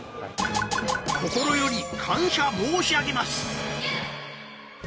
心より感謝申し上げます